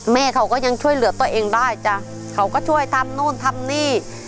แม่เขาก็ยังช่วยเหลือตัวเองได้จ้ะเขาก็ช่วยทำนู่นทำนี่